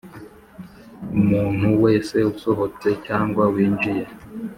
Umuntu wese usohotse cyangwa winjiye